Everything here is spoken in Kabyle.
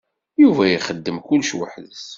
Yuba ixeddem kullec weḥd-s.